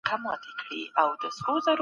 حکومتونو به سوداګریزي لاري خلاصولې.